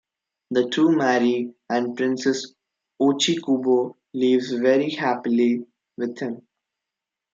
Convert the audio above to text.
The two marry and Princess Ochikubo lives very happily with him.